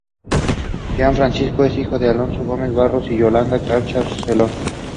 Daniel and Ann Quincy were married by John Hull Esq.